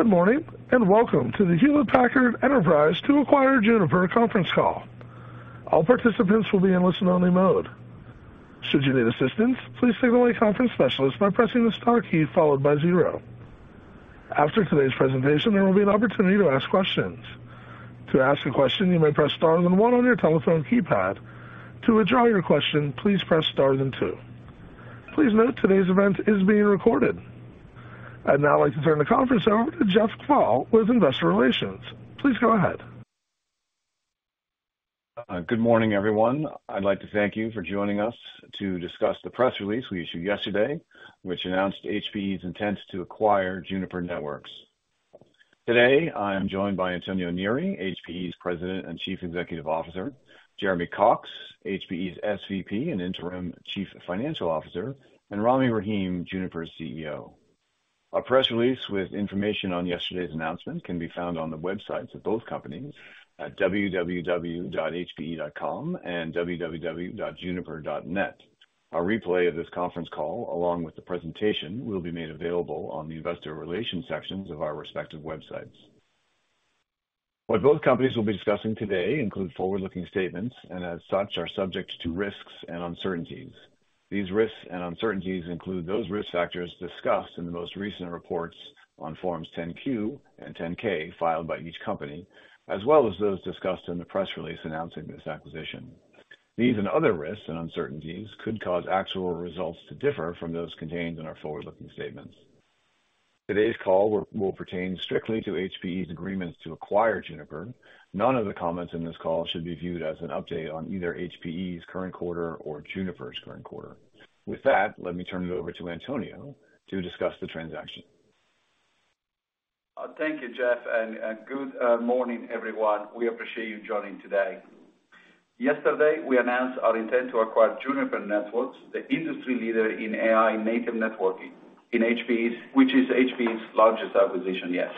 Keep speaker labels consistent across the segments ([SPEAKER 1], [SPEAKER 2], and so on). [SPEAKER 1] Good morning, and welcome to the Hewlett Packard Enterprise to acquire Juniper conference call. All participants will be in listen-only mode. Should you need assistance, please signal a conference specialist by pressing the star key followed by zero. After today's presentation, there will be an opportunity to ask questions. To ask a question, you may press star then one on your telephone keypad. To withdraw your question, please press star then two. Please note, today's event is being recorded. I'd now like to turn the conference over to Jeff Kvaal with Investor Relations. Please go ahead.
[SPEAKER 2] Good morning, everyone. I'd like to thank you for joining us to discuss the press release we issued yesterday, which announced HPE's intent to acquire Juniper Networks. Today, I am joined by Antonio Neri, HPE's President and Chief Executive Officer, Jeremy Cox, HPE's SVP and Interim Chief Financial Officer, and Rami Rahim, Juniper's CEO. Our press release with information on yesterday's announcement can be found on the websites of both companies at www.hpe.com and www.juniper.net. A replay of this conference call, along with the presentation, will be made available on the investor relations sections of our respective websites. What both companies will be discussing today include forward-looking statements and, as such, are subject to risks and uncertainties. These risks and uncertainties include those risk factors discussed in the most recent reports on Forms 10-Q and 10-K filed by each company, as well as those discussed in the press release announcing this acquisition. These and other risks and uncertainties could cause actual results to differ from those contained in our forward-looking statements. Today's call will pertain strictly to HPE's agreements to acquire Juniper. None of the comments in this call should be viewed as an update on either HPE's current quarter or Juniper's current quarter. With that, let me turn it over to Antonio to discuss the transaction.
[SPEAKER 3] Thank you, Jeff, and good morning, everyone. We appreciate you joining today. Yesterday, we announced our intent to acquire Juniper Networks, the industry leader in AI-native networking, in HPE's, which is HPE's largest acquisition yet.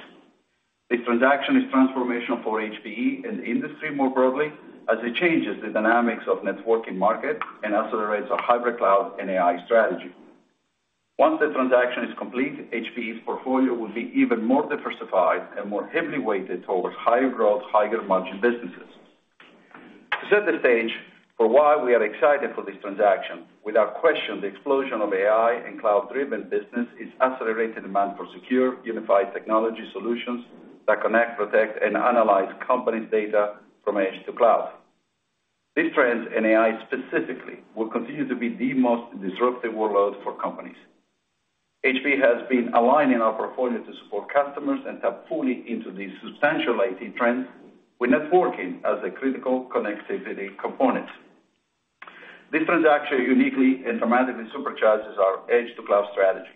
[SPEAKER 3] This transaction is transformational for HPE and the industry more broadly, as it changes the dynamics of networking market and accelerates our hybrid cloud and AI strategy. Once the transaction is complete, HPE's portfolio will be even more diversified and more heavily weighted towards higher growth, higher margin businesses. To set the stage for why we are excited for this transaction, without question, the explosion of AI and cloud-driven business is accelerating demand for secure, unified technology solutions that connect, protect, and analyze companies' data from edge to cloud. These trends in AI specifically, will continue to be the most disruptive workloads for companies. HPE has been aligning our portfolio to support customers and tap fully into these substantial IT trends with networking as a critical connectivity component. This transaction uniquely and dramatically supercharges our edge to cloud strategy,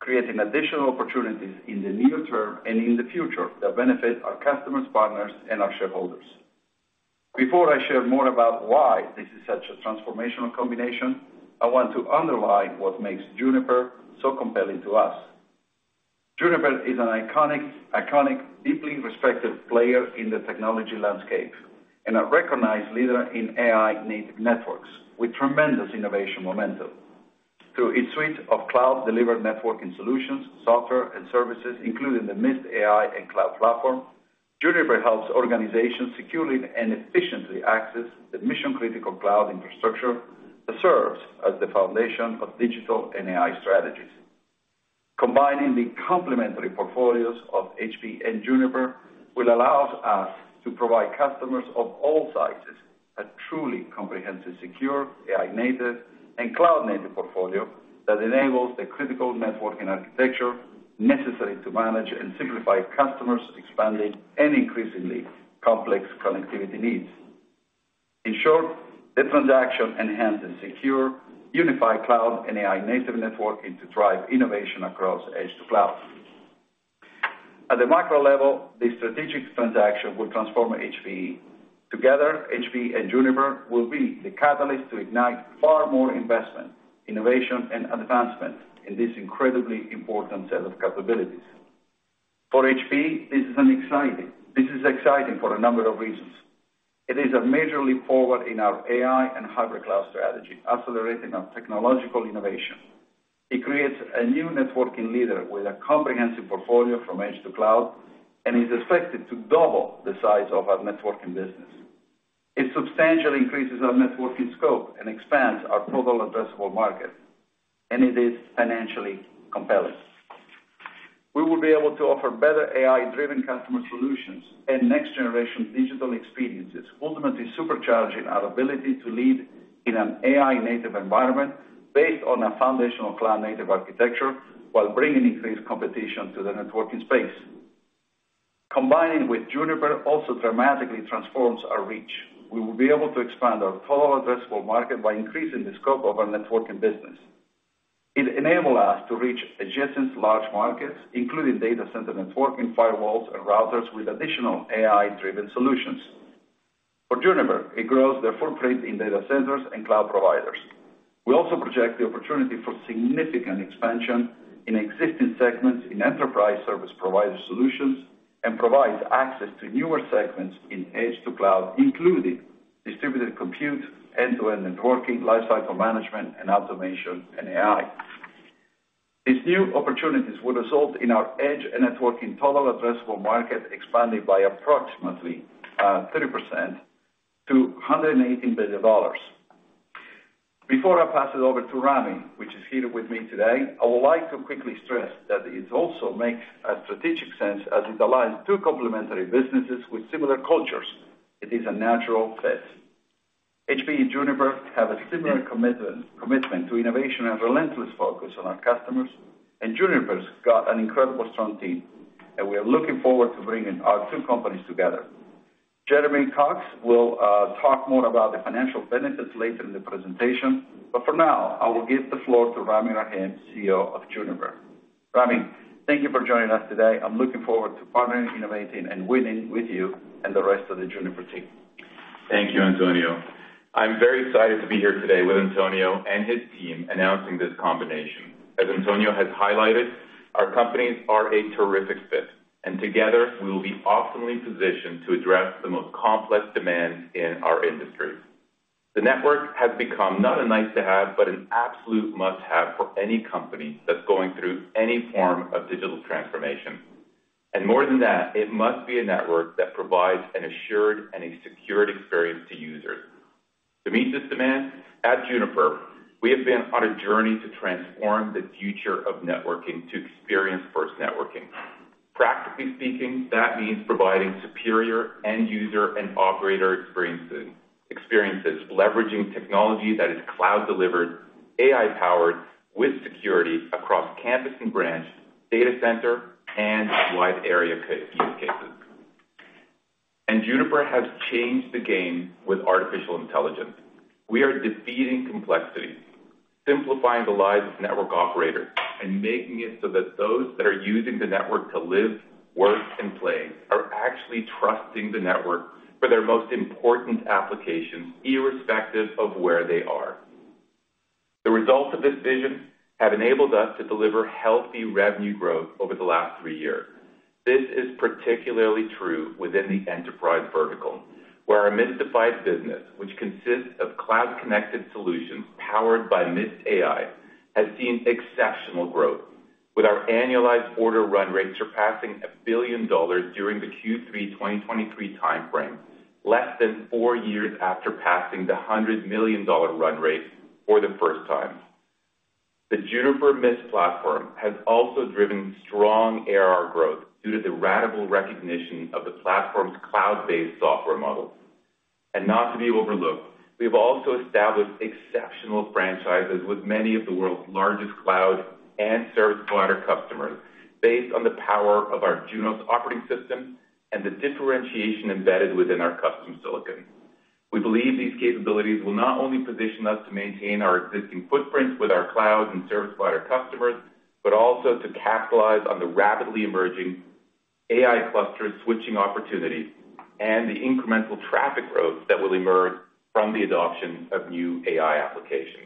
[SPEAKER 3] creating additional opportunities in the near term and in the future that benefit our customers, partners, and our shareholders. Before I share more about why this is such a transformational combination, I want to underline what makes Juniper so compelling to us. Juniper is an iconic, iconic, deeply respected player in the technology landscape and a recognized leader in AI-native networks with tremendous innovation momentum. Through its suite of cloud-delivered networking solutions, software, and services, including the Mist AI and cloud platform, Juniper helps organizations securely and efficiently access the mission-critical cloud infrastructure that serves as the foundation of digital and AI strategies. Combining the complementary portfolios of HPE and Juniper will allow us to provide customers of all sizes a truly comprehensive, secure, AI-native, and cloud-native portfolio that enables the critical networking architecture necessary to manage and simplify customers' expanding and increasingly complex connectivity needs. In short, the transaction enhances secure, unified cloud and AI-native networking to drive innovation across edge to cloud. At the macro level, this strategic transaction will transform HPE. Together, HPE and Juniper will be the catalyst to ignite far more investment, innovation, and advancement in this incredibly important set of capabilities. For HPE, this is an exciting... This is exciting for a number of reasons. It is a major leap forward in our AI and hybrid cloud strategy, accelerating our technological innovation. It creates a new networking leader with a comprehensive portfolio from edge to cloud, and is expected to double the size of our networking business. It substantially increases our networking scope and expands our total addressable market, and it is financially compelling. We will be able to offer better AI-driven customer solutions and next-generation digital experiences, ultimately supercharging our ability to lead in an AI-native environment based on a foundational cloud-native architecture, while bringing increased competition to the networking space. Combining with Juniper also dramatically transforms our reach. We will be able to expand our total addressable market by increasing the scope of our networking business. It enables us to reach adjacent large markets, including data center networking, firewalls, and routers with additional AI-driven solutions. For Juniper, it grows their footprint in data centers and cloud providers. We also project the opportunity for significant expansion in existing segments in enterprise service provider solutions and provides access to newer segments in edge to cloud, including distributed compute, end-to-end networking, lifecycle management, and automation, and AI. These new opportunities will result in our edge and networking total addressable market expanding by approximately 30% to $118 billion. Before I pass it over to Rami, which is here with me today, I would like to quickly stress that it also makes strategic sense, as it aligns two complementary businesses with similar cultures. It is a natural fit. HPE and Juniper have a similar commitment, commitment to innovation and relentless focus on our customers, and Juniper's got an incredible strong team, and we are looking forward to bringing our two companies together. Jeremy Cox will talk more about the financial benefits later in the presentation, but for now, I will give the floor to Rami Rahim, CEO of Juniper. Rami, thank you for joining us today. I'm looking forward to partnering, innovating, and winning with you and the rest of the Juniper team.
[SPEAKER 4] Thank you, Antonio. I'm very excited to be here today with Antonio and his team, announcing this combination. As Antonio has highlighted, our companies are a terrific fit, and together, we will be optimally positioned to address the most complex demands in our industry. The network has become not a nice-to-have, but an absolute must-have for any company that's going through any form of digital transformation. And more than that, it must be a network that provides an assured and a secured experience to users. To meet this demand, at Juniper, we have been on a journey to transform the future of networking to experience-first networking. Practically speaking, that means providing superior end user and operator experiences, experiences leveraging technology that is cloud delivered, AI powered, with security across campus and branch, data center, and wide area use cases. And Juniper has changed the game with artificial intelligence. We are defeating complexity, simplifying the lives of network operators, and making it so that those that are using the network to live, work, and play are actually trusting the network for their most important applications, irrespective of where they are. The results of this vision have enabled us to deliver healthy revenue growth over the last three years. This is particularly true within the enterprise vertical, where our Mist device business, which consists of cloud-connected solutions powered by Mist AI, has seen exceptional growth, with our annualized order run rate surpassing $1 billion during the Q3 2023 timeframe, less than four years after passing the $100 million run rate for the first time. The Juniper Mist platform has also driven strong ARR growth due to the ratable recognition of the platform's cloud-based software model. Not to be overlooked, we've also established exceptional franchises with many of the world's largest cloud and service provider customers, based on the power of our Junos operating system and the differentiation embedded within our custom silicon. We believe these capabilities will not only position us to maintain our existing footprints with our cloud and service provider customers, but also to capitalize on the rapidly emerging AI cluster switching opportunities and the incremental traffic growth that will emerge from the adoption of new AI applications.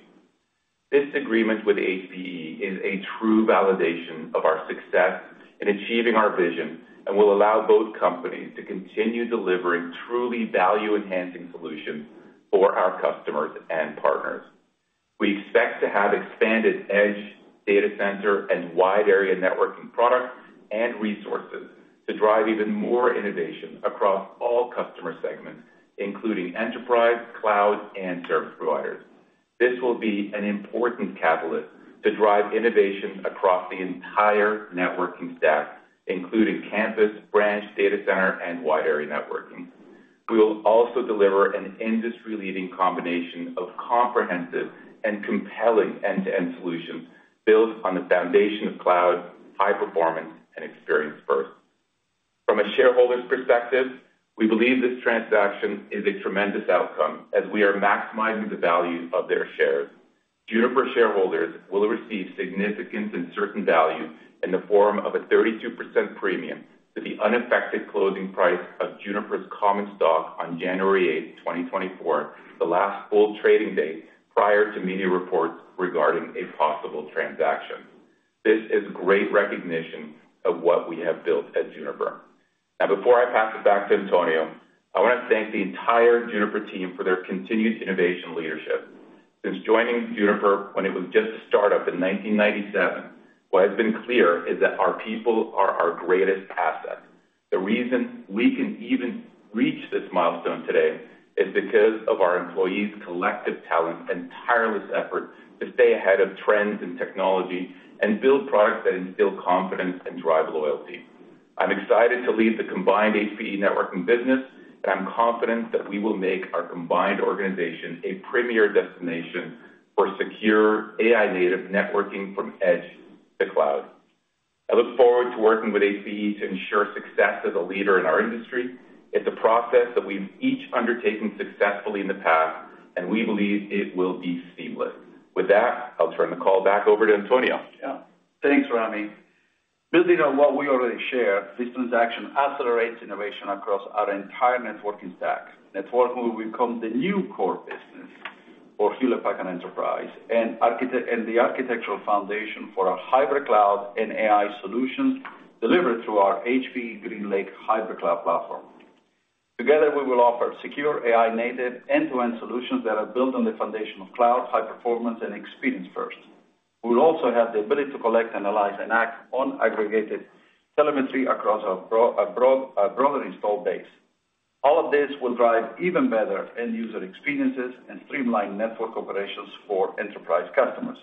[SPEAKER 4] This agreement with HPE is a true validation of our success in achieving our vision, and will allow both companies to continue delivering truly value-enhancing solutions for our customers and partners. We expect to have expanded edge, data center, and wide area networking products and resources to drive even more innovation across all customer segments, including enterprise, cloud, and service providers. This will be an important catalyst to drive innovation across the entire networking stack, including campus, branch, data center, and wide area networking. We will also deliver an industry-leading combination of comprehensive and compelling end-to-end solutions built on the foundation of cloud, high performance, and experience first. From a shareholder's perspective, we believe this transaction is a tremendous outcome, as we are maximizing the value of their shares. Juniper shareholders will receive significant and certain value in the form of a 32% premium to the unaffected closing price of Juniper's common stock on January 8, 2024, the last full trading day prior to media reports regarding a possible transaction. This is great recognition of what we have built at Juniper. Now, before I pass it back to Antonio, I want to thank the entire Juniper team for their continued innovation leadership. Since joining Juniper when it was just a start-up in 1997, what has been clear is that our people are our greatest asset. The reason we can even reach this milestone today is because of our employees' collective talent and tireless effort to stay ahead of trends and technology, and build products that instill confidence and drive loyalty. I'm excited to lead the combined HPE networking business, and I'm confident that we will make our combined organization a premier destination for secure AI-native networking from edge to cloud. I look forward to working with HPE to ensure success as a leader in our industry. It's a process that we've each undertaken successfully in the past, and we believe it will be seamless. With that, I'll turn the call back over to Antonio.
[SPEAKER 3] Yeah. Thanks, Rami. Building on what we already share, this transaction accelerates innovation across our entire networking stack. Networking will become the new core business for Hewlett Packard Enterprise and the architectural foundation for our hybrid cloud and AI solutions delivered through our HPE GreenLake Hybrid Cloud platform. Together, we will offer secure AI-native, end-to-end solutions that are built on the foundation of cloud, high performance, and experience first. We will also have the ability to collect, analyze, and act on aggregated telemetry across our broader install base. All of this will drive even better end user experiences and streamline network operations for enterprise customers.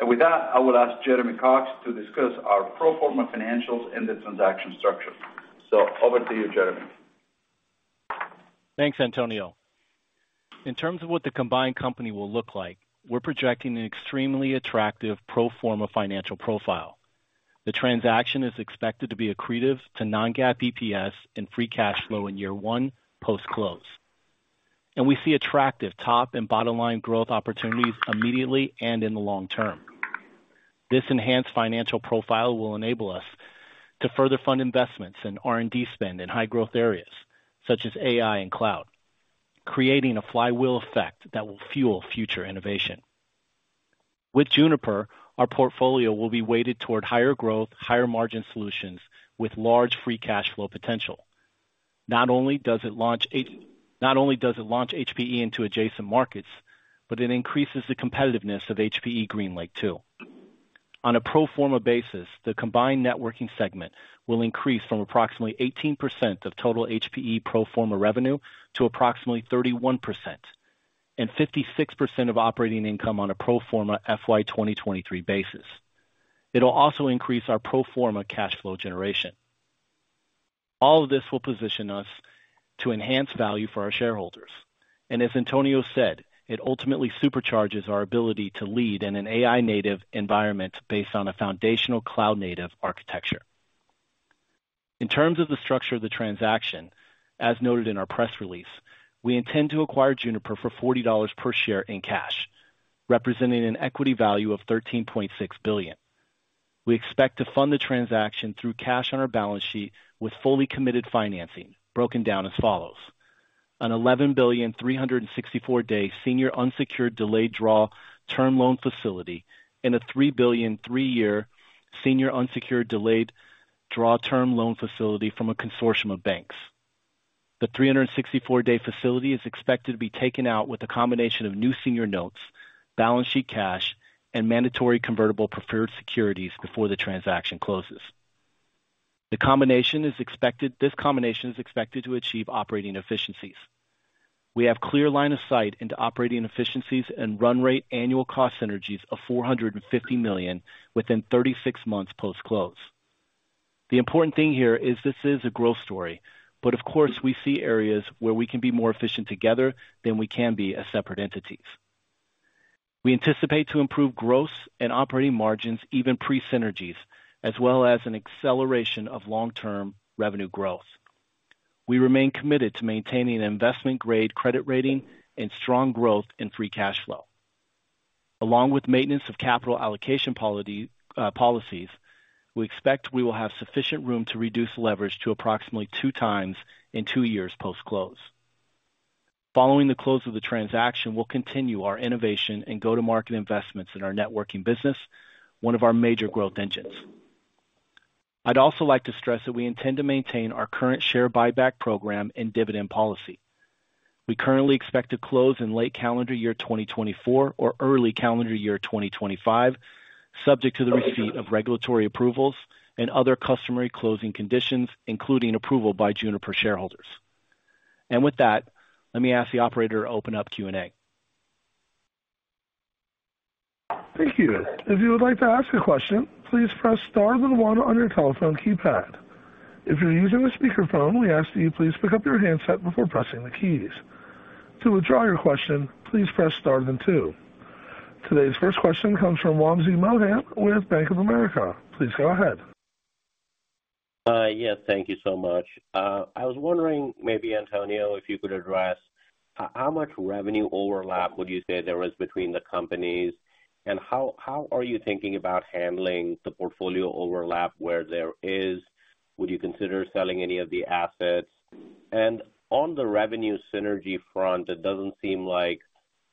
[SPEAKER 3] And with that, I will ask Jeremy Cox to discuss our pro forma financials and the transaction structure. So over to you, Jeremy.
[SPEAKER 5] Thanks, Antonio. In terms of what the combined company will look like, we're projecting an extremely attractive pro forma financial profile. The transaction is expected to be accretive to non-GAAP EPS and free cash flow in year one, post-close. We see attractive top and bottom line growth opportunities immediately and in the long term. This enhanced financial profile will enable us to further fund investments in R&D spend in high growth areas, such as AI and cloud, creating a flywheel effect that will fuel future innovation. With Juniper, our portfolio will be weighted toward higher growth, higher margin solutions with large free cash flow potential. Not only does it launch HPE into adjacent markets, but it increases the competitiveness of HPE GreenLake, too. On a pro forma basis, the combined networking segment will increase from approximately 18% of total HPE pro forma revenue to approximately 31% and 56% of operating income on a pro forma FY 2023 basis. It'll also increase our pro forma cash flow generation. All of this will position us to enhance value for our shareholders, and as Antonio said, it ultimately supercharges our ability to lead in an AI-native environment based on a foundational cloud-native architecture. In terms of the structure of the transaction, as noted in our press release, we intend to acquire Juniper for $40 per share in cash, representing an equity value of $13.6 billion. We expect to fund the transaction through cash on our balance sheet with fully committed financing, broken down as follows: an $11 billion 364-day senior unsecured delayed draw term loan facility and a $3 billion 3-year senior unsecured delayed draw term loan facility from a consortium of banks. The 364-day facility is expected to be taken out with a combination of new senior notes, balance sheet cash, and mandatory convertible preferred securities before the transaction closes. The combination is expected... This combination is expected to achieve operating efficiencies. We have clear line of sight into operating efficiencies and run rate annual cost synergies of $450 million within 36 months post-close. The important thing here is this is a growth story, but of course, we see areas where we can be more efficient together than we can be as separate entities. We anticipate to improve gross and operating margins, even pre-synergies, as well as an acceleration of long-term revenue growth. We remain committed to maintaining an investment-grade credit rating and strong growth in free cash flow. Along with maintenance of capital allocation policy, policies, we expect we will have sufficient room to reduce leverage to approximately two times in two years post-close. Following the close of the transaction, we'll continue our innovation and go-to-market investments in our networking business, one of our major growth engines. I'd also like to stress that we intend to maintain our current share buyback program and dividend policy. We currently expect to close in late calendar year 2024 or early calendar year 2025, subject to the receipt of regulatory approvals and other customary closing conditions, including approval by Juniper shareholders. With that, let me ask the operator to open up Q&A.
[SPEAKER 1] Thank you. If you would like to ask a question, please press star then one on your telephone keypad. If you're using a speakerphone, we ask that you please pick up your handset before pressing the keys. To withdraw your question, please press star then two. Today's first question comes from Wamsi Mohan with Bank of America. Please go ahead.
[SPEAKER 6] Yes, thank you so much. I was wondering, maybe, Antonio, if you could address, how much revenue overlap would you say there is between the companies, and how are you thinking about handling the portfolio overlap where there is? Would you consider selling any of the assets? And on the revenue synergy front, it doesn't seem like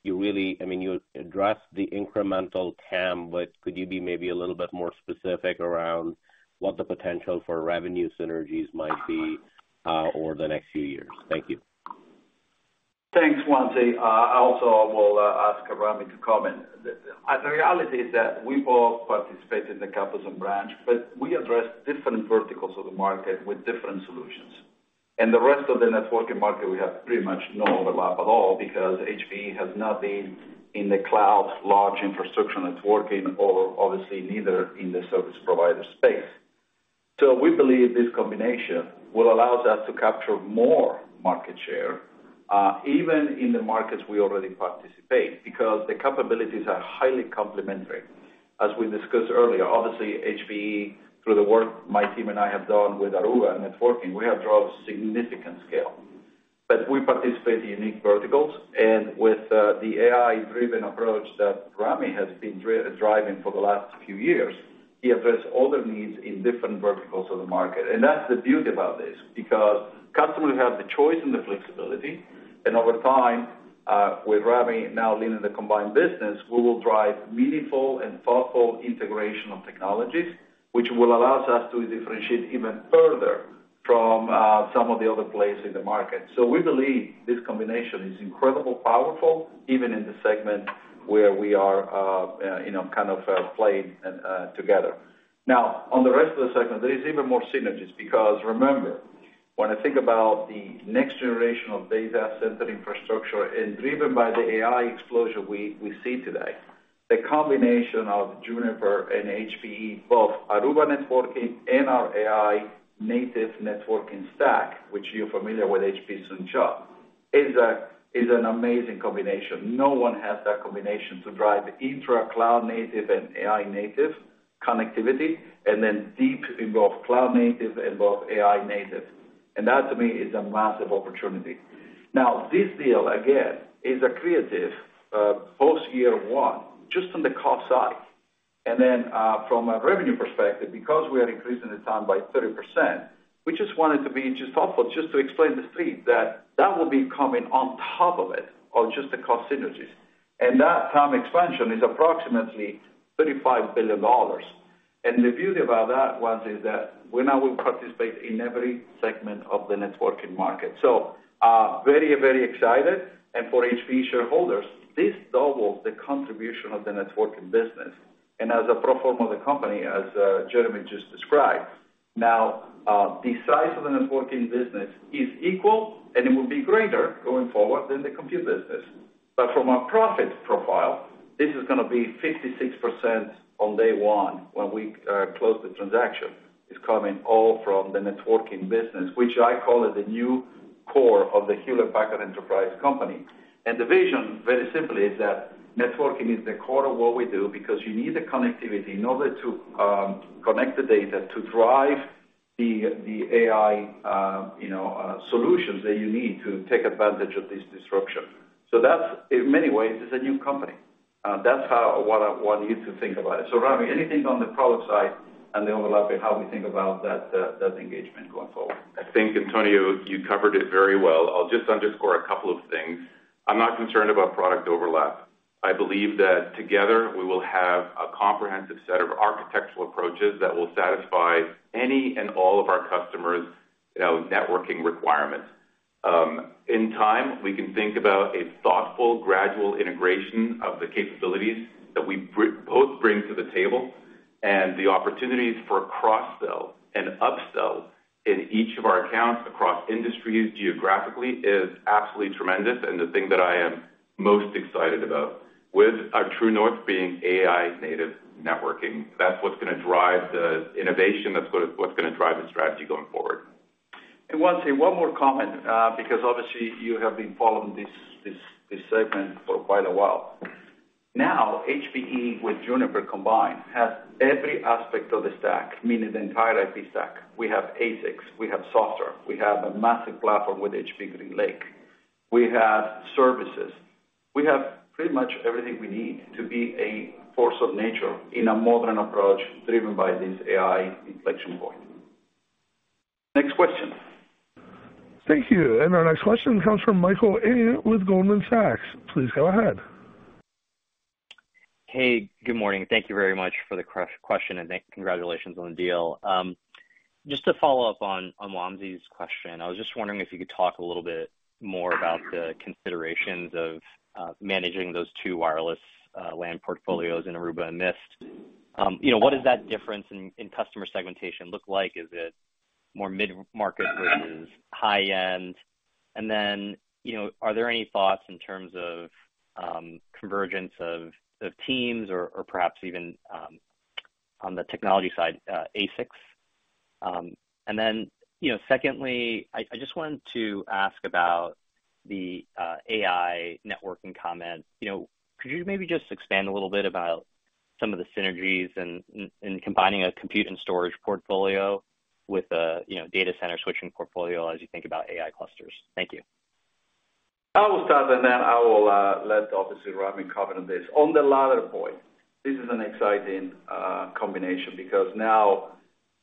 [SPEAKER 6] you really... I mean, you addressed the incremental TAM, but could you be maybe a little bit more specific around what the potential for revenue synergies might be, over the next few years? Thank you.
[SPEAKER 3] Thanks, Wamsi. I also will ask Rami to comment. The reality is that we both participate in the capital branch, but we address different verticals of the market with different solutions. And the rest of the networking market, we have pretty much no overlap at all because HPE has not been in the cloud large infrastructure networking or obviously neither in the service provider space. So we believe this combination will allow us to capture more market share, even in the markets we already participate, because the capabilities are highly complementary. As we discussed earlier, obviously, HPE, through the work my team and I have done with Aruba Networking, we have drove significant scale, but we participate in unique verticals. And with the AI-driven approach that Rami has been driving for the last few years, he address all the needs in different verticals of the market. And that's the beauty about this, because customers have the choice and the flexibility, and over time, with Rami now leading the combined business, we will drive meaningful and thoughtful integration of technologies, which will allows us to differentiate even further from some of the other players in the market. So we believe this combination is incredibly powerful, even in the segment where we are, you know, kind of playing, and together. Now, on the rest of the segment, there is even more synergies, because remember, when I think about the next generation of data center infrastructure, and driven by the AI explosion we see today, the combination of Juniper and HPE, both Aruba Networking and our AI-native networking stack, which you're familiar with, HPE's compute, is an amazing combination. No one has that combination to drive intra-cloud native and AI-native connectivity, and then deep in both cloud native and both AI native. And that, to me, is a massive opportunity. Now, this deal, again, is accretive post year one, just on the cost side. And then, from a revenue perspective, because we are increasing the TAM by 30%, we just wanted to be just thoughtful, just to explain the street, that that will be coming on top of it, of just the cost synergies. That TAM expansion is approximately $35 billion. The beauty about that one is that we now will participate in every segment of the networking market. So, very, very excited. For HPE shareholders, this doubles the contribution of the networking business. As a pro forma of the company, as Jeremy just described, now the size of the networking business is equal, and it will be greater going forward than the compute business. But from a profit profile, this is gonna be 56% on day one, when we close the transaction. It's coming all from the networking business, which I call it the new core of the Hewlett Packard Enterprise company. The vision, very simply, is that networking is the core of what we do, because you need the connectivity in order to connect the data to drive the AI, you know, solutions that you need to take advantage of this disruption. So that's, in many ways, is a new company. That's how what I want you to think about it. So Rami, anything on the product side and the overlap and how we think about that that engagement going forward?
[SPEAKER 4] I think, Antonio, you covered it very well. I'll just underscore a couple of things. I'm not concerned about product overlap. I believe that together, we will have a comprehensive set of architectural approaches that will satisfy any and all of our customers', you know, networking requirements. In time, we can think about a thoughtful, gradual integration of the capabilities that we both bring to the table, and the opportunities for cross-sell and upsell in each of our accounts, across industries, geographically, is absolutely tremendous, and the thing that I am most excited about, with our true north being AI-native networking. That's what's gonna drive the innovation, that's what, what's gonna drive the strategy going forward.
[SPEAKER 3] One thing, one more comment, because obviously you have been following this segment for quite a while. Now, HPE with Juniper combined, has every aspect of the stack, meaning the entire IP stack. We have ASICs, we have software, we have a massive platform with HPE GreenLake. We have services. We have pretty much everything we need to be a force of nature in a modern approach, driven by this AI inflection point. Next question.
[SPEAKER 1] Thank you. Our next question comes from Michael A. with Goldman Sachs. Please go ahead.
[SPEAKER 7] Hey, good morning. Thank you very much for the question, and then congratulations on the deal. Just to follow up on Wamsi's question, I was just wondering if you could talk a little bit more about the considerations of managing those two wireless LAN portfolios in Aruba and Mist. You know, what does that difference in customer segmentation look like? Is it more mid-market versus high-end? And then, you know, are there any thoughts in terms of convergence of teams or perhaps even on the technology side, ASICs? And then, you know, secondly, I just wanted to ask about the AI networking comment. You know, could you maybe just expand a little bit about some of the synergies in, in combining a compute and storage portfolio with a, you know, data center switching portfolio as you think about AI clusters? Thank you.
[SPEAKER 3] I will start, and then I will let obviously Rami comment on this. On the latter point, this is an exciting combination, because now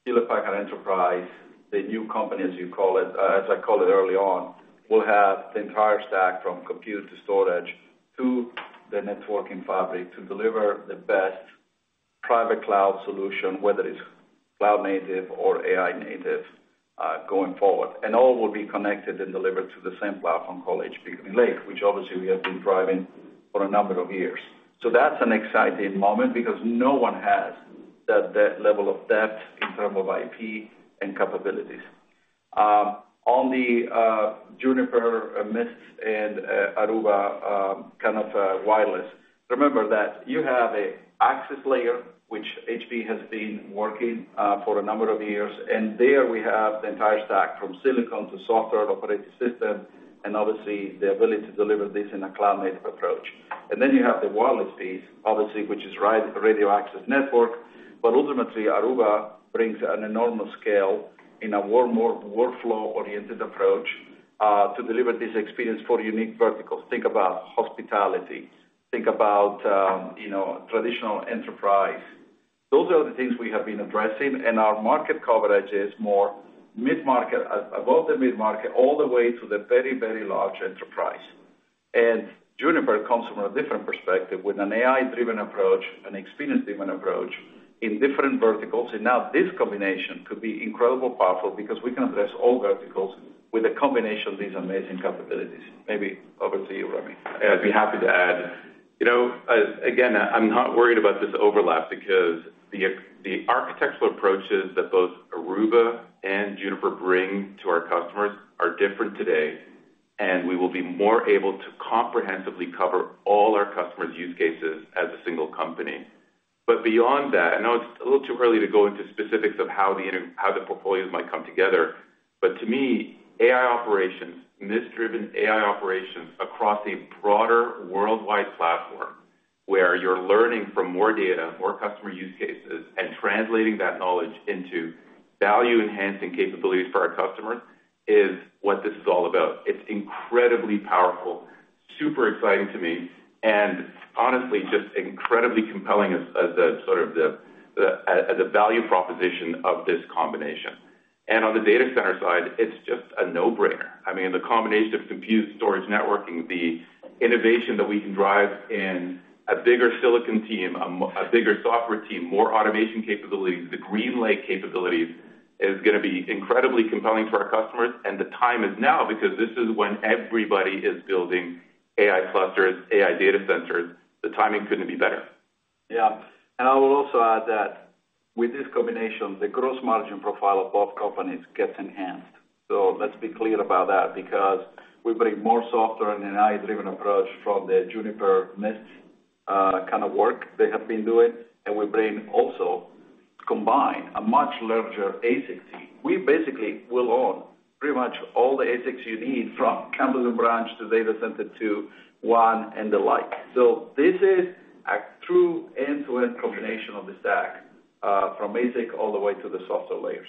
[SPEAKER 3] Hewlett Packard Enterprise, the new company, as you call it, as I called it early on, will have the entire stack, from compute to storage to the networking fabric, to deliver the best private cloud solution, whether it's cloud native or AI native, going forward. And all will be connected and delivered to the same platform called HPE GreenLake, which obviously we have been driving for a number of years. So that's an exciting moment, because no one has that level of depth in term of IP and capabilities. On the Juniper, Mist, and Aruba kind of wireless, remember that you have an access layer, which HPE has been working for a number of years, and there we have the entire stack, from silicon to software and operating system, and obviously, the ability to deliver this in a cloud-native approach. And then you have the wireless piece, obviously, which is right, the radio access network. But ultimately, Aruba brings an enormous scale in a more workflow-oriented approach to deliver this experience for unique verticals. Think about hospitality, think about you know traditional enterprise. Those are the things we have been addressing, and our market coverage is more mid-market, above the mid-market, all the way to the very, very large enterprise. And Juniper comes from a different perspective, with an AI-driven approach, an experience-driven approach in different verticals. Now this combination could be incredibly powerful because we can address all verticals with a combination of these amazing capabilities. Maybe over to you, Rami.
[SPEAKER 4] I'd be happy to add. You know, again, I'm not worried about this overlap because the architectural approaches that both Aruba and Juniper bring to our customers are different today, and we will be more able to comprehensively cover all our customers' use cases as a single company. But beyond that, I know it's a little too early to go into specifics of how the portfolios might come together. But to me, AI operations, Mist-driven AI operations across a broader worldwide platform, where you're learning from more data, more customer use cases, and translating that knowledge into value-enhancing capabilities for our customers, is what this is all about. It's incredibly powerful, super exciting to me, and honestly, just incredibly compelling as the sort of value proposition of this combination. On the data center side, it's just a no-brainer. I mean, the combination of compute, storage, networking, the innovation that we can drive in a bigger silicon team, a bigger software team, more automation capabilities, the GreenLake capabilities, is gonna be incredibly compelling to our customers. And the time is now, because this is when everybody is building AI clusters, AI data centers. The timing couldn't be better.
[SPEAKER 3] Yeah. I will also add that with this combination, the gross margin profile of both companies gets enhanced. Let's be clear about that, because we bring more software and an AI-driven approach from the Juniper Mist kind of work they have been doing. We bring also, combined, a much larger ASIC team. We basically will own pretty much all the ASICs you need, from campus and branch to data center to WAN and the like. This is a true end-to-end combination of the stack from ASIC all the way to the software layers.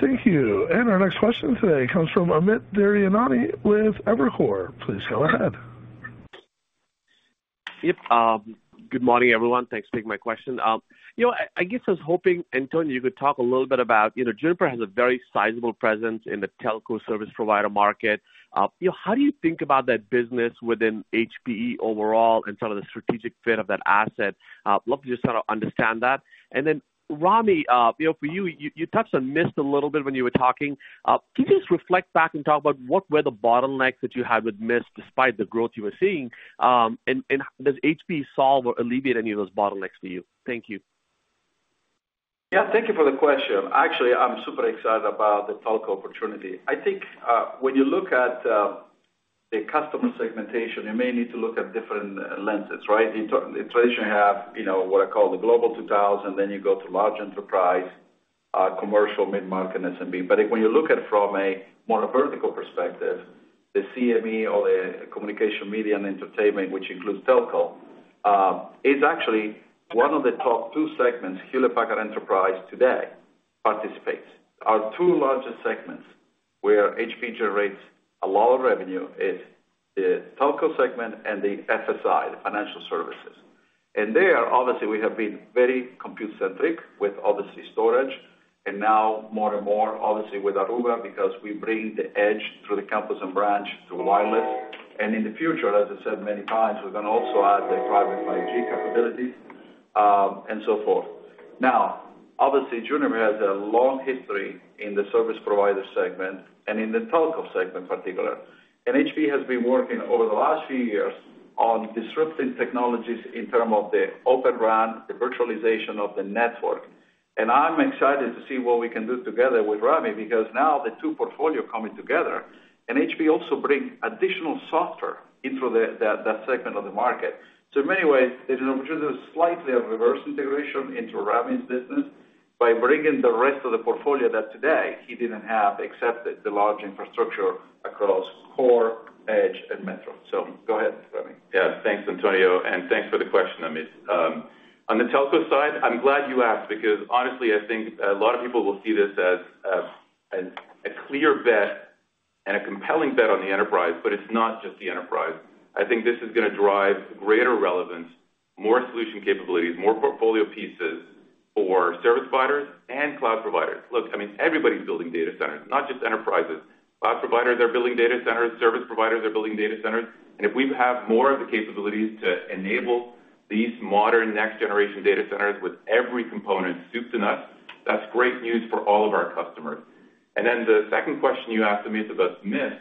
[SPEAKER 1] Thank you. Our next question today comes from Amit Daryanani with Evercore. Please go ahead.
[SPEAKER 8] Yep. Good morning, everyone. Thanks for taking my question. You know, I guess I was hoping, Antonio, you could talk a little bit about, you know, Juniper has a very sizable presence in the Telco service provider market. You know, how do you think about that business within HPE overall and sort of the strategic fit of that asset? I'd love to just sort of understand that. And then, Rami, you know, for you, you touched on Mist a little bit when you were talking. Can you just reflect back and talk about what were the bottlenecks that you had with Mist, despite the growth you were seeing? And does HPE solve or alleviate any of those bottlenecks for you? Thank you.
[SPEAKER 3] Yeah, thank you for the question. Actually, I'm super excited about the Telco opportunity. I think, when you look at the customer segmentation, you may need to look at different lenses, right? You traditionally have, you know, what I call the Global 2000, then you go to large enterprise, commercial, mid-market, and SMB. But when you look at it from a more vertical perspective, the CME or the Communication, Media, and Entertainment, which includes Telco, is actually one of the top two segments Hewlett Packard Enterprise today participates. Our two largest segments, where HPE generates a lot of revenue, is the Telco segment and the FSI, the financial services. And there, obviously, we have been very compute-centric with, obviously, storage, and now more and more, obviously, with Aruba, because we bring the edge through the campus and branch to wireless. In the future, as I said many times, we're going to also add the Private 5G capabilities, and so forth. Now, obviously, Juniper has a long history in the service provider segment and in the Telco segment, particularly. HPE has been working over the last few years on disrupting technologies in terms of the Open RAN, the virtualization of the network. I'm excited to see what we can do together with Rami, because now the two portfolio coming together, and HPE also bring additional software into the that segment of the market. So in many ways, it's just a slightly of reverse integration into Rami's business by bringing the rest of the portfolio that today he didn't have, except the large infrastructure across core, edge, and metro. So go ahead, Rami.
[SPEAKER 4] Yeah. Thanks, Antonio, and thanks for the question, Amit. On the Telco side, I'm glad you asked, because honestly, I think a lot of people will see this as a clear bet and a compelling bet on the enterprise, but it's not just the enterprise. I think this is gonna drive greater relevance, more solution capabilities, more portfolio pieces for service providers and cloud providers. Look, I mean, everybody's building data centers, not just enterprises. Cloud providers are building data centers, service providers are building data centers, and if we have more of the capabilities to enable these modern next-generation data centers with every component soup to nuts, that's great news for all of our customers. And then the second question you asked, Amit, about Mist.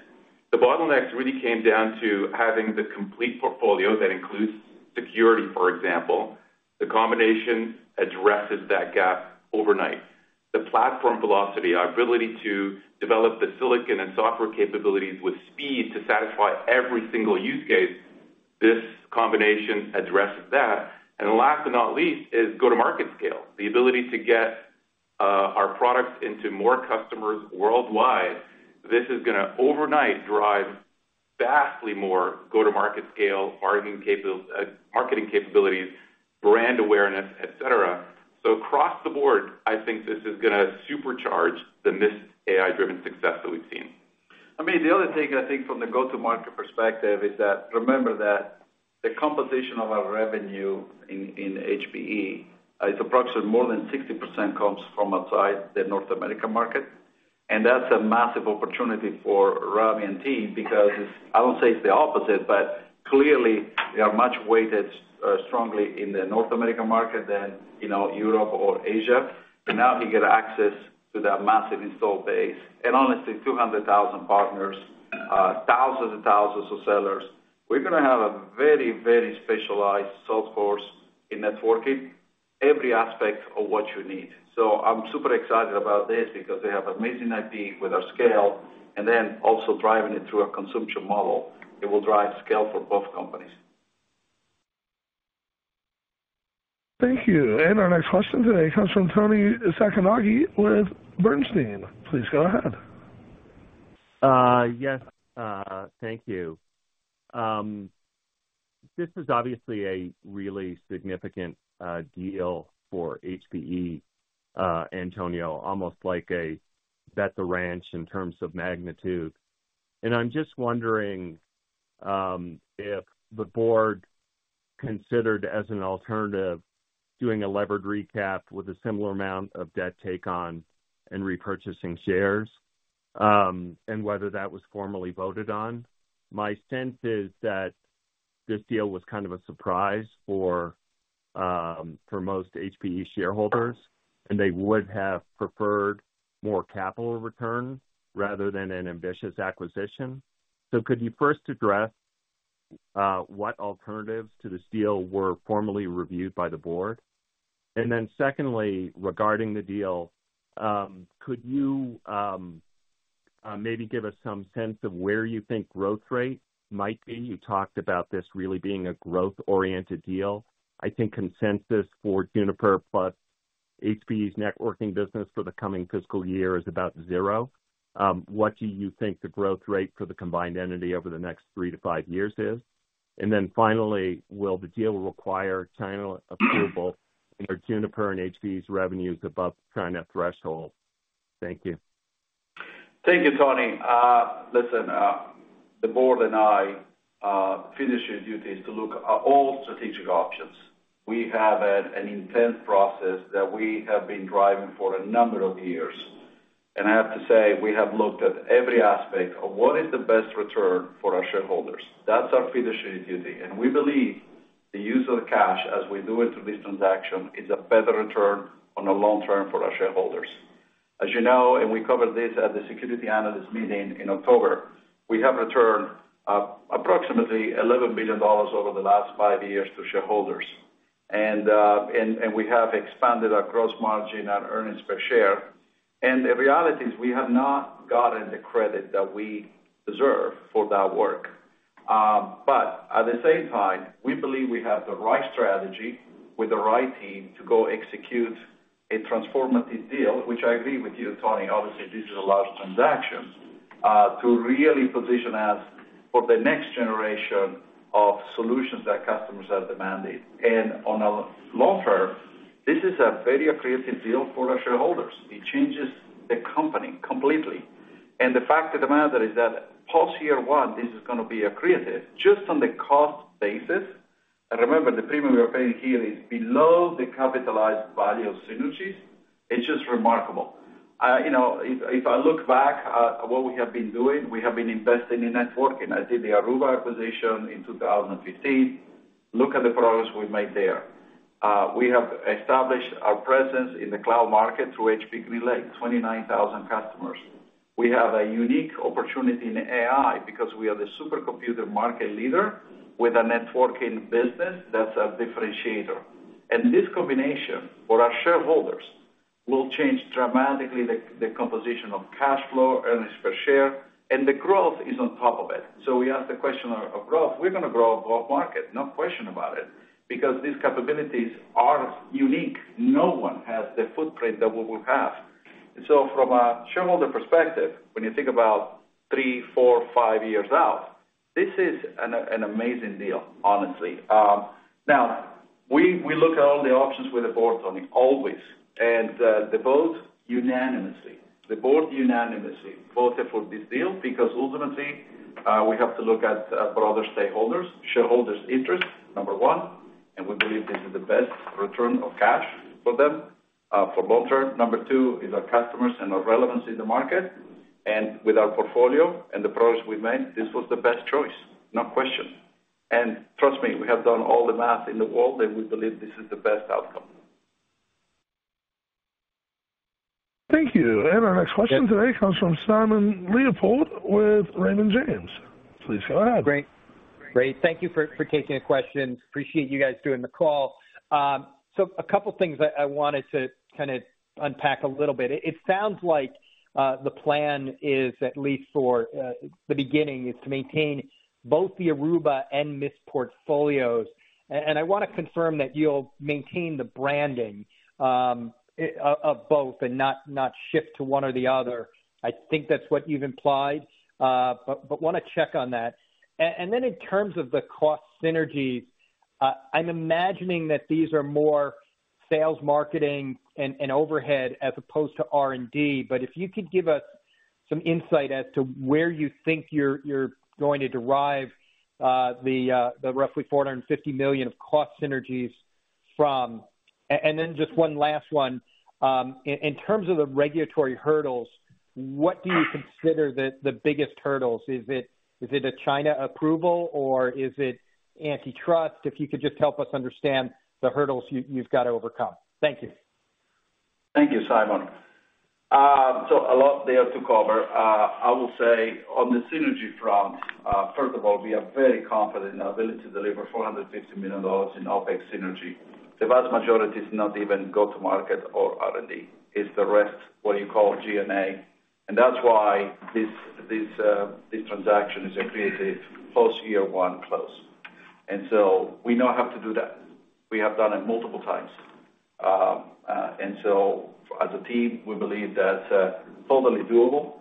[SPEAKER 4] The bottlenecks really came down to having the complete portfolio that includes security, for example. The combination addresses that gap overnight. The platform velocity, our ability to develop the silicon and software capabilities with speed to satisfy every single use case, this combination addresses that. And last but not least, is go-to-market scale. The ability to get into more customers worldwide, this is going to overnight drive vastly more go-to-market scale, marketing capabilities, brand awareness, et cetera. So across the board, I think this is going to supercharge the Mist AI-driven success that we've seen.
[SPEAKER 3] I mean, the other thing, I think, from the go-to-market perspective is that, remember that the composition of our revenue in, in HPE, is approximately more than 60% comes from outside the North American market. And that's a massive opportunity for Rami and team, because it's, I won't say it's the opposite, but clearly, we are much weighted strongly in the North American market than, you know, Europe or Asia. But now we get access to that massive install base and honestly, 200,000 partners, thousands and thousands of sellers. We're going to have a very, very specialized sales force in networking, every aspect of what you need. So I'm super excited about this because they have amazing IP with our scale, and then also driving it through a consumption model. It will drive scale for both companies.
[SPEAKER 1] Thank you. Our next question today comes from Toni Sacconaghi with Bernstein. Please go ahead.
[SPEAKER 9] Yes, thank you. This is obviously a really significant deal for HPE, Antonio, almost like a bet the ranch in terms of magnitude. I'm just wondering if the board considered as an alternative doing a levered recap with a similar amount of debt take on and repurchasing shares, and whether that was formally voted on. My sense is that this deal was kind of a surprise for most HPE shareholders, and they would have preferred more capital return rather than an ambitious acquisition. Could you first address what alternatives to this deal were formally reviewed by the board? And then secondly, regarding the deal, could you maybe give us some sense of where you think growth rate might be? You talked about this really being a growth-oriented deal. I think consensus for Juniper plus HPE's networking business for the coming fiscal year is about zero. What do you think the growth rate for the combined entity over the next 3-5 years is? And then finally, will the deal require China approval for Juniper and HPE's revenues above China threshold? Thank you.
[SPEAKER 3] Thank you, Toni. Listen, the board and I, fiduciary duty is to look at all strategic options. We have had an intense process that we have been driving for a number of years, and I have to say, we have looked at every aspect of what is the best return for our shareholders. That's our fiduciary duty, and we believe the use of the cash as we do it through this transaction, is a better return on the long term for our shareholders. As you know, and we covered this at the security analyst meeting in October, we have returned approximately $11 billion over the last 5 years to shareholders. And we have expanded our gross margin and earnings per share. And the reality is, we have not gotten the credit that we deserve for that work. But at the same time, we believe we have the right strategy with the right team to go execute a transformative deal, which I agree with you, Toni. Obviously, this is a large transaction to really position us for the next generation of solutions that customers have demanded. And on a long term, this is a very accretive deal for our shareholders. It changes the company completely. And the fact of the matter is that post year one, this is going to be accretive just on the cost basis. And remember, the premium we are paying here is below the capitalized value of synergies. It's just remarkable. You know, if I look back at what we have been doing, we have been investing in networking. I did the Aruba acquisition in 2015. Look at the progress we made there. We have established our presence in the cloud market through HPE GreenLake, 29,000 customers. We have a unique opportunity in AI because we are the supercomputer market leader with a networking business that's a differentiator. And this combination for our shareholders will change dramatically the composition of cash flow, earnings per share, and the growth is on top of it. So we ask the question of growth. We're going to grow above market, no question about it, because these capabilities are unique. No one has the footprint that we will have. So from a shareholder perspective, when you think about 3, 4, 5 years out, this is an amazing deal, honestly. Now we look at all the options with the board, Toni, always. They vote unanimously. The board unanimously voted for this deal because ultimately, we have to look at, for other stakeholders, shareholders' interest, number one, and we believe this is the best return of cash for them, for long term. Number two is our customers and our relevance in the market. With our portfolio and the progress we've made, this was the best choice, no question. Trust me, we have done all the math in the world, and we believe this is the best outcome.
[SPEAKER 1] Thank you. And our next question today comes from Simon Leopold with Raymond James. Please go ahead....
[SPEAKER 10] Great. Thank you for taking the question. Appreciate you guys doing the call. So a couple things I wanted to kind of unpack a little bit. It sounds like the plan is, at least for the beginning, is to maintain both the Aruba and Mist portfolios. And I want to confirm that you'll maintain the branding of both and not shift to one or the other. I think that's what you've implied, but want to check on that. And then in terms of the cost synergies, I'm imagining that these are more sales, marketing, and overhead, as opposed to R&D. But if you could give us some insight as to where you think you're going to derive the roughly $450 million of cost synergies from. And then just one last one. In terms of the regulatory hurdles, what do you consider the biggest hurdles? Is it a China approval, or is it antitrust? If you could just help us understand the hurdles you've got to overcome. Thank you.
[SPEAKER 3] Thank you, Simon. So a lot there to cover. I will say on the synergy front, first of all, we are very confident in our ability to deliver $450 million in OpEx synergy. The vast majority is not even go-to-market or R&D. It's the rest, what you call G&A, and that's why this transaction is accretive post year one close. And so we know how to do that. We have done it multiple times. And so as a team, we believe that's totally doable.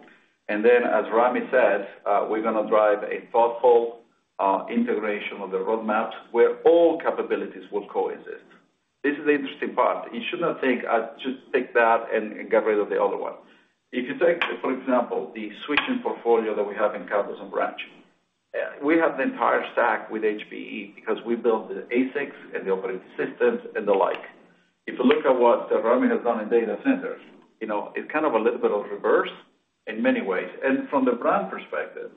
[SPEAKER 3] And then, as Rami said, we're going to drive a thoughtful integration of the roadmaps where all capabilities will coexist. This is the interesting part. You should not think I just take that and get rid of the other one. If you take, for example, the switching portfolio that we have in campus and branch, we have the entire stack with HPE because we built the ASICs and the operating systems and the like. If you look at what, Rami has done in data centers, you know, it's kind of a little bit of reverse in many ways. And from the brand perspective,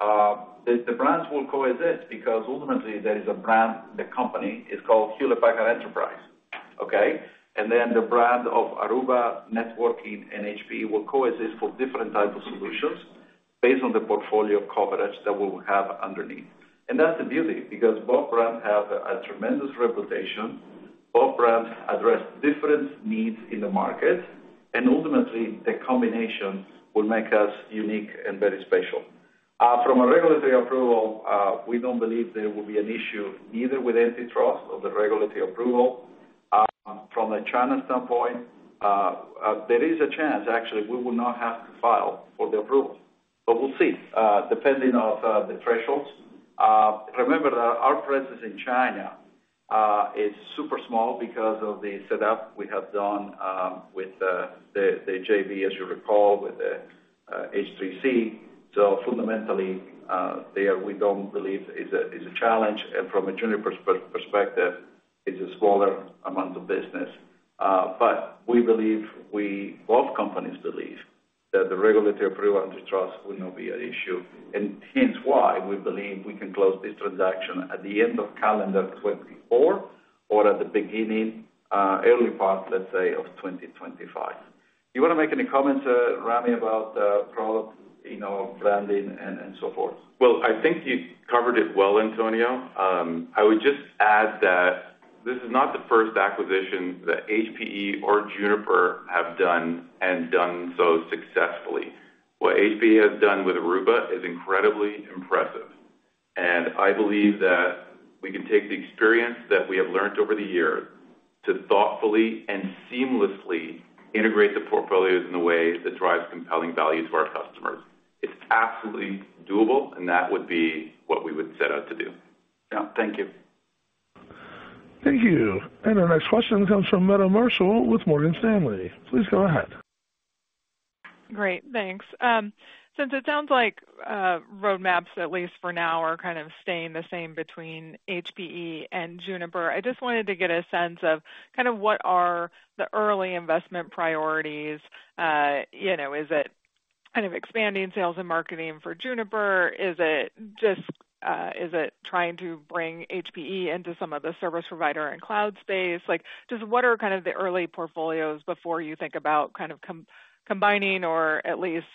[SPEAKER 3] the, the brands will coexist because ultimately there is a brand, the company is called Hewlett Packard Enterprise, okay? And then the brand of Aruba Networking and HPE will coexist for different types of solutions based on the portfolio coverage that we will have underneath. And that's a beauty, because both brands have a tremendous reputation. Both brands address different needs in the market, and ultimately, the combination will make us unique and very special. From a regulatory approval, we don't believe there will be an issue either with antitrust or the regulatory approval. From a China standpoint, there is a chance, actually, we will not have to file for the approval, but we'll see, depending on the thresholds. Remember that our presence in China is super small because of the setup we have done, with the JV, as you recall, with the H3C. So fundamentally, there we don't believe is a challenge, and from a Juniper perspective, it's a smaller amount of business. But we believe we both companies believe that the regulatory approval, antitrust, will not be at issue, and hence why we believe we can close this transaction at the end of calendar 2024 or at the beginning, early part, let's say, of 2025. You want to make any comments, Rami, about product, you know, branding and, and so forth?
[SPEAKER 4] Well, I think you covered it well, Antonio. I would just add that this is not the first acquisition that HPE or Juniper have done and done so successfully. What HPE has done with Aruba is incredibly impressive, and I believe that we can take the experience that we have learned over the years to thoughtfully and seamlessly integrate the portfolios in a way that drives compelling value to our customers. It's absolutely doable, and that would be what we would set out to do.
[SPEAKER 3] Yeah. Thank you.
[SPEAKER 1] Thank you. And our next question comes from Meta Marshall with Morgan Stanley. Please go ahead.
[SPEAKER 11] Great, thanks. Since it sounds like roadmaps, at least for now, are kind of staying the same between HPE and Juniper, I just wanted to get a sense of kind of what are the early investment priorities. You know, is it kind of expanding sales and marketing for Juniper? Is it just trying to bring HPE into some of the service provider and cloud space? Like, just what are kind of the early portfolios before you think about kind of combining or at least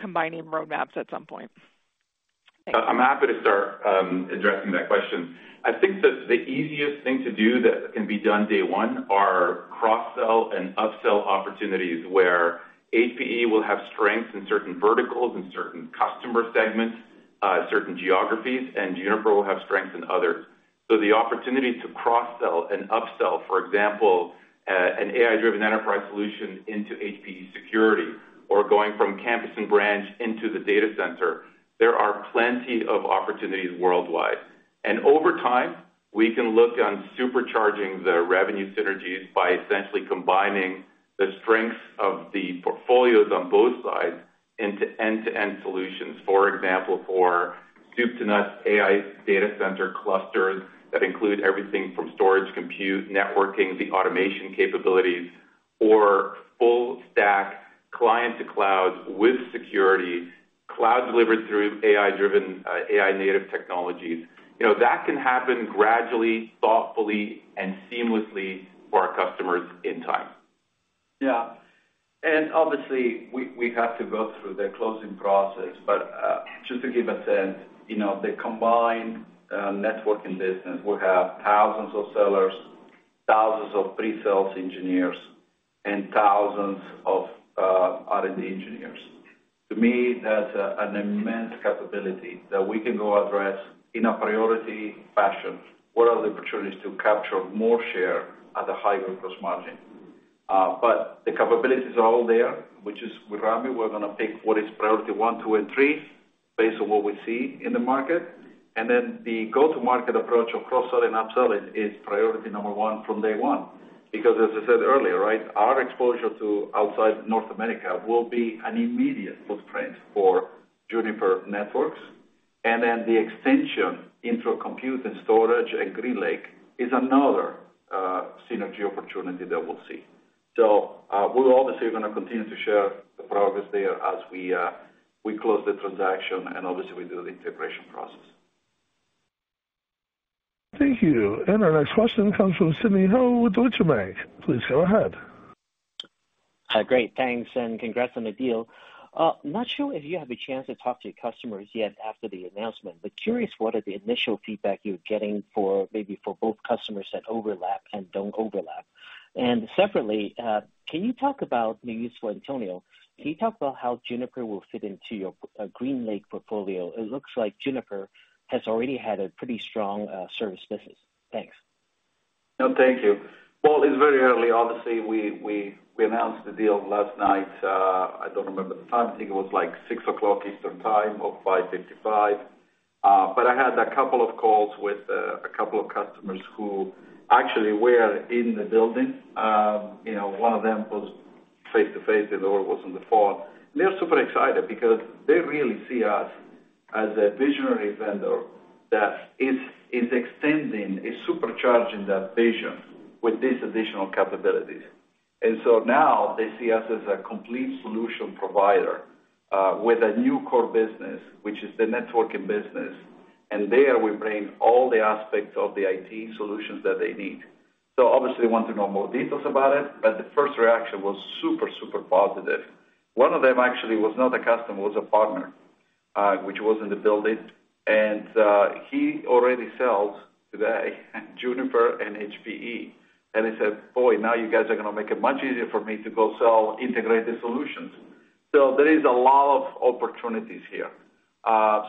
[SPEAKER 11] combining roadmaps at some point?
[SPEAKER 4] I'm happy to start addressing that question. I think that the easiest thing to do that can be done day one are cross-sell and upsell opportunities, where HPE will have strengths in certain verticals and certain customer segments, certain geographies, and Juniper will have strengths in others. So the opportunity to cross-sell and upsell, for example, an AI-driven enterprise solution into HPE security or going from campus and branch into the data center, there are plenty of opportunities worldwide. And over time, we can look on supercharging the revenue synergies by essentially combining the strengths of the portfolios on both sides into end-to-end solutions. For example, for soup to nuts AI data center clusters that include everything from storage, compute, networking, the automation capabilities, or full stack client to cloud with security, cloud delivered through AI-driven, AI-native technologies. You know, that can happen gradually, thoughtfully, and seamlessly for our customers in time.
[SPEAKER 3] Yeah. And obviously, we have to go through the closing process. But just to give a sense, you know, the combined networking business will have thousands of sellers, thousands of pre-sales engineers, and thousands of R&D engineers. To me, that's an immense capability that we can go address in a priority fashion, where are the opportunities to capture more share at a higher gross margin? But the capabilities are all there, which is with Rami, we're gonna pick what is priority one, two, and three based on what we see in the market. And then the go-to-market approach of cross-sell and up-sell is priority number one from day one. Because as I said earlier, right, our exposure to outside North America will be an immediate footprint for Juniper Networks, and then the extension into compute and storage and GreenLake is another synergy opportunity that we'll see. So, we're obviously gonna continue to share the progress there as we close the transaction and obviously we do the integration process.
[SPEAKER 1] Thank you. Our next question comes from Sidney Ho with Deutsche Bank. Please go ahead.
[SPEAKER 12] Hi, great, thanks, and congrats on the deal. Not sure if you have a chance to talk to your customers yet after the announcement, but curious, what are the initial feedback you're getting for maybe for both customers that overlap and don't overlap? And separately, can you talk about, maybe this is for Antonio, can you talk about how Juniper will fit into your, GreenLake portfolio? It looks like Juniper has already had a pretty strong, service business. Thanks.
[SPEAKER 3] No, thank you. Well, it's very early. Obviously, we announced the deal last night. I don't remember the time. I think it was, like, 6:00 Eastern Time or 5:55. But I had a couple of calls with a couple of customers who actually were in the building. You know, one of them was face-to-face, the other was on the phone. They're super excited because they really see us as a visionary vendor that is extending, is supercharging that vision with these additional capabilities. And so now they see us as a complete solution provider with a new core business, which is the networking business, and there we bring all the aspects of the IT solutions that they need. So obviously, they want to know more details about it, but the first reaction was super, super positive. One of them actually was not a customer, it was a partner, which was in the building, and he already sells today, Juniper and HPE. And he said, "Boy, now you guys are gonna make it much easier for me to go sell integrated solutions." So there is a lot of opportunities here.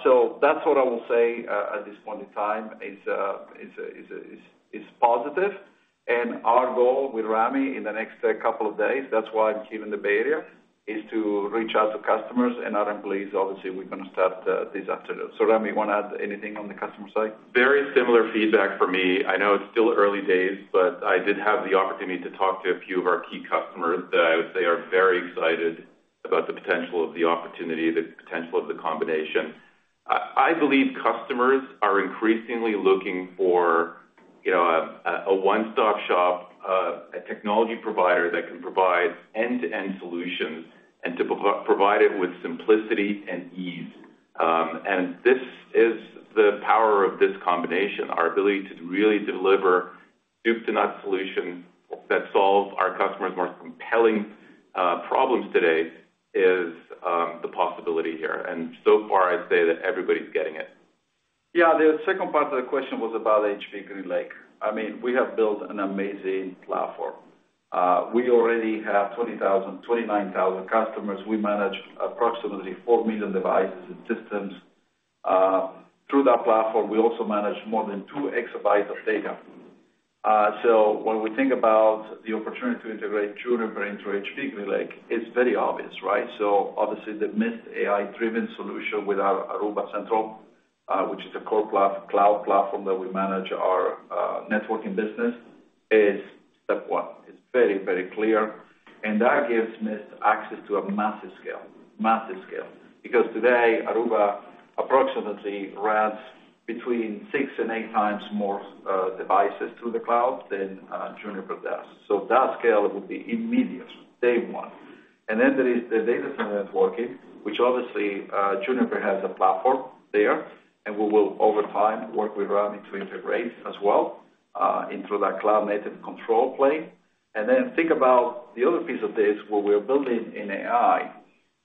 [SPEAKER 3] So that's what I will say at this point in time. It's positive. And our goal with Rami in the next couple of days, that's why I'm here in the Bay Area, is to reach out to customers and other employees. Obviously, we're gonna start this afternoon. So Rami, you want to add anything on the customer side?
[SPEAKER 4] Very similar feedback for me. I know it's still early days, but I did have the opportunity to talk to a few of our key customers that I would say are very excited about the potential of the opportunity, the potential of the combination. I believe customers are increasingly looking for, you know, a one-stop shop, a technology provider that can provide end-to-end solutions and to provide it with simplicity and ease. And this is the power of this combination. Our ability to really deliver soup to nut solutions that solve our customers' more compelling problems today is the possibility here. And so far, I'd say that everybody's getting it.
[SPEAKER 3] Yeah, the second part of the question was about HPE GreenLake. I mean, we have built an amazing platform. We already have 29,000 customers. We manage approximately 4 million devices and systems. Through that platform, we also manage more than 2 exabytes of data. So when we think about the opportunity to integrate Juniper into HPE GreenLake, it's very obvious, right? So obviously, the Mist AI-driven solution with our Aruba Central, which is a core cloud platform that we manage our networking business, is step one. It's very, very clear, and that gives Mist access to a massive scale. Massive scale. Because today, Aruba approximately runs between 6 and 8 times more devices through the cloud than Juniper does. So that scale will be immediate, day one. And then there is the data center networking, which obviously, Juniper has a platform there, and we will, over time, work with Rami to integrate as well, into that cloud-native control plane. And then think about the other piece of this, where we're building in AI,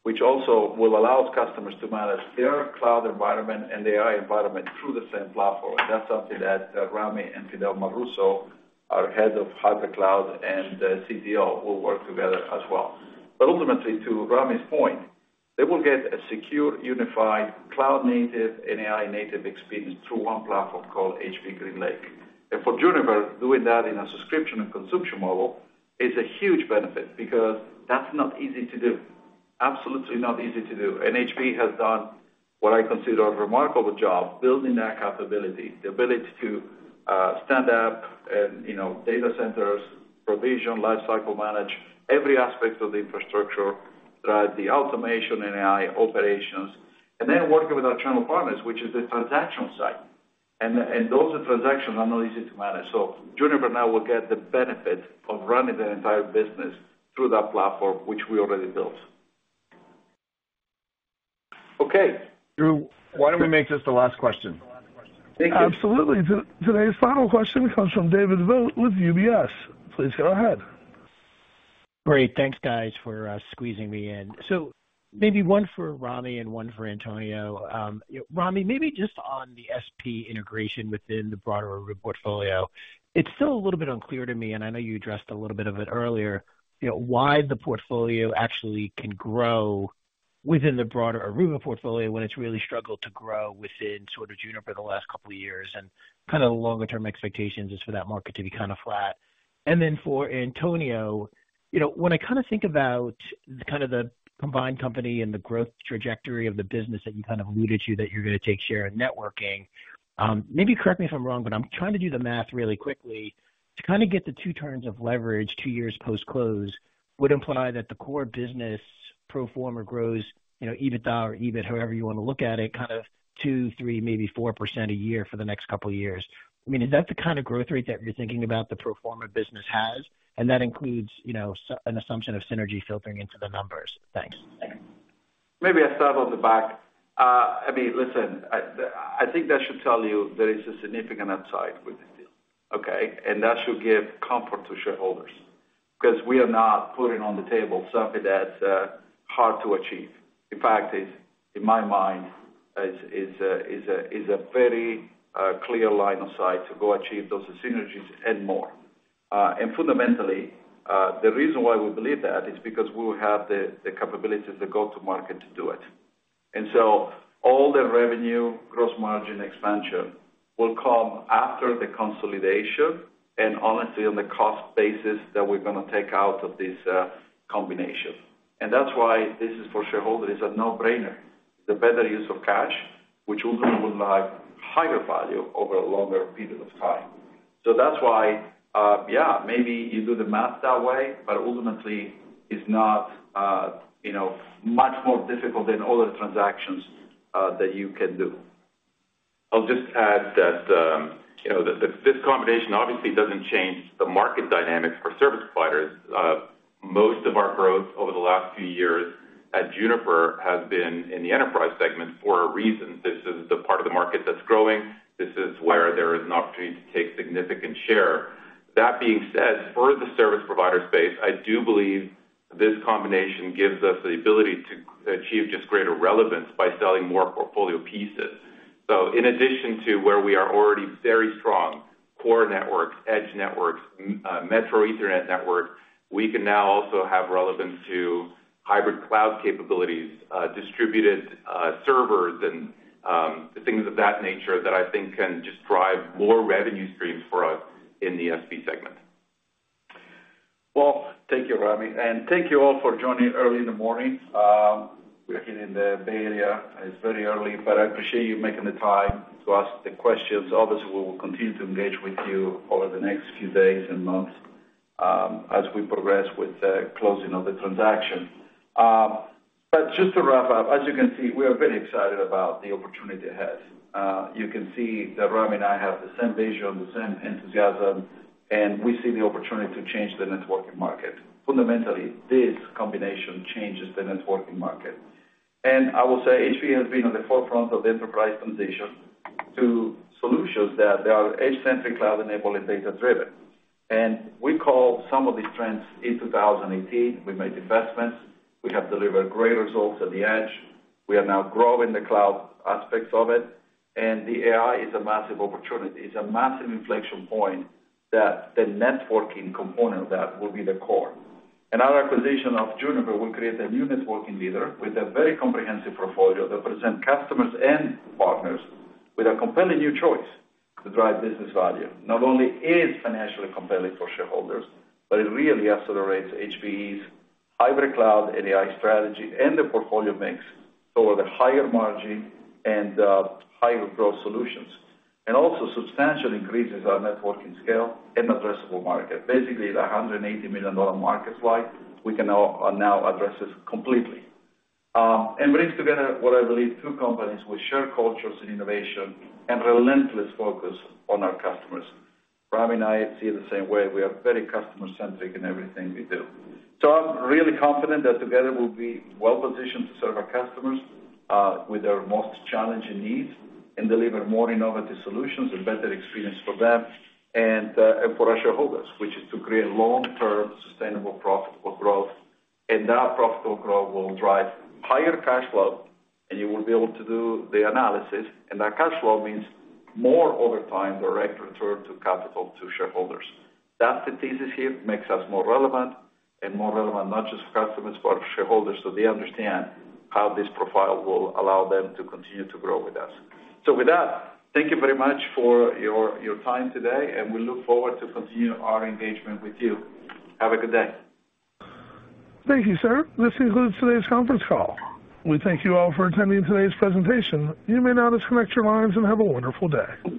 [SPEAKER 3] which also will allow customers to manage their cloud environment and AI environment through the same platform. That's something that, Rami and Fidelma Russo, our Head of Hybrid Cloud and, CTO, will work together as well. But ultimately, to Rami's point, they will get a secure, unified, cloud-native and AI-native experience through one platform called HPE GreenLake. And for Juniper, doing that in a subscription and consumption model is a huge benefit because that's not easy to do. Absolutely not easy to do. HPE has done what I consider a remarkable job building that capability, the ability to stand up and, you know, data centers, provision, lifecycle manage every aspect of the infrastructure, drive the automation and AI operations, and then working with our channel partners, which is the transactional side. And those transactions are not easy to manage. So Juniper now will get the benefit of running the entire business through that platform, which we already built. ...
[SPEAKER 2] Okay, Drew, why don't we make this the last question?
[SPEAKER 1] Absolutely. Today's final question comes from David Vogt with UBS. Please go ahead.
[SPEAKER 13] Great, thanks, guys, for squeezing me in. So maybe one for Rami and one for Antonio. Rami, maybe just on the SP integration within the broader Aruba portfolio, it's still a little bit unclear to me, and I know you addressed a little bit of it earlier, you know, why the portfolio actually can grow within the broader Aruba portfolio, when it's really struggled to grow within sort of Juniper the last couple of years, and kind of the longer term expectations is for that market to be kind of flat. And then for Antonio, you know, when I kind of think about the kind of the combined company and the growth trajectory of the business that you kind of alluded to, that you're gonna take share in networking, maybe correct me if I'm wrong, but I'm trying to do the math really quickly. To kind of get the two turns of leverage, two years post-close, would imply that the core business pro forma grows, you know, EBITDA or EBIT, however you wanna look at it, kind of 2%, 3%, maybe 4% a year for the next couple of years. I mean, is that the kind of growth rate that you're thinking about the pro forma business has? And that includes, you know, an assumption of synergy filtering into the numbers. Thanks.
[SPEAKER 3] Maybe I'll start on the back. I mean, listen, I think that should tell you there is a significant upside with the deal, okay? And that should give comfort to shareholders, 'cause we are not putting on the table something that's hard to achieve. In fact, it, in my mind, is a very clear line of sight to go achieve those synergies and more. And fundamentally, the reason why we believe that is because we will have the capabilities to go to market to do it. And so all the revenue gross margin expansion will come after the consolidation, and honestly, on the cost basis that we're gonna take out of this combination. And that's why this is for shareholders, it's a no-brainer. The better use of cash, which ultimately will drive higher value over a longer period of time. So that's why, yeah, maybe you do the math that way, but ultimately, it's not, you know, much more difficult than other transactions, that you can do.
[SPEAKER 4] I'll just add that, you know, that this, this combination obviously doesn't change the market dynamics for service providers. Most of our growth over the last few years at Juniper has been in the enterprise segment for a reason. This is the part of the market that's growing. This is where there is an opportunity to take significant share. That being said, for the service provider space, I do believe this combination gives us the ability to achieve just greater relevance by selling more portfolio pieces. So in addition to where we are already very strong, core networks, edge networks, metro Ethernet network, we can now also have relevance to hybrid cloud capabilities, distributed servers and things of that nature, that I think can just drive more revenue streams for us in the SP segment.
[SPEAKER 3] Well, thank you, Rami, and thank you all for joining early in the morning. We are here in the Bay Area. It's very early, but I appreciate you making the time to ask the questions. Obviously, we will continue to engage with you over the next few days and months, as we progress with the closing of the transaction. But just to wrap up, as you can see, we are very excited about the opportunity ahead. You can see that Rami and I have the same vision, the same enthusiasm, and we see the opportunity to change the networking market. Fundamentally, this combination changes the networking market. And I will say, HPE has been on the forefront of the enterprise transition to solutions that are edge-centric, cloud-enabled, and data-driven. And we call some of these trends in 2018. We made investments. We have delivered great results at the edge. We are now growing the cloud aspects of it, and the AI is a massive opportunity. It's a massive inflection point that the networking component of that will be the core. Our acquisition of Juniper will create a new networking leader with a very comprehensive portfolio that present customers and partners with a completely new choice to drive business value. Not only is financially compelling for shareholders, but it really accelerates HPE's hybrid cloud and AI strategy and the portfolio mix over the higher margin and higher growth solutions, and also substantially increases our networking scale and addressable market. Basically, the $180 million market slide, we can now address this completely. And brings together what I believe two companies with shared cultures and innovation and relentless focus on our customers. Rami and I feel the same way. We are very customer-centric in everything we do. So I'm really confident that together we'll be well positioned to serve our customers, with their most challenging needs and deliver more innovative solutions and better experience for them and, and for our shareholders, which is to create long-term, sustainable, profitable growth. And that profitable growth will drive higher cash flow, and you will be able to do the analysis. And that cash flow means more over time, direct return to capital to shareholders. That's the thesis here, makes us more relevant, and more relevant, not just for customers, but for shareholders, so they understand how this profile will allow them to continue to grow with us. So with that, thank you very much for your, your time today, and we look forward to continue our engagement with you. Have a good day.
[SPEAKER 1] Thank you, sir. This concludes today's conference call. We thank you all for attending today's presentation. You may now disconnect your lines and have a wonderful day.